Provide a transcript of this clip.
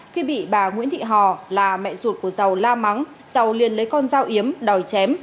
khi bị bà nguyễn thị hò là mẹ ruột của giàu la mắng dầu liền lấy con dao yếm đòi chém